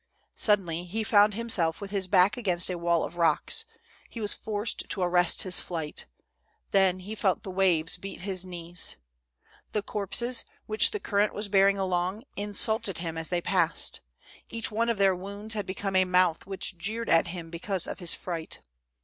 Suddenly, he found himself with his back against a wall of rocks ; he was forced to arrest his flight. Then, he felt the waves beat his knees. The corpses, which the current was bearing along, insulted him as they passed ; each one of their wounds had become a mouth which jeered at him because of his fright.